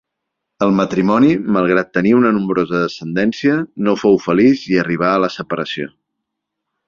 El matrimoni, malgrat tenir una nombrosa descendència, no fou feliç i arribà a la separació.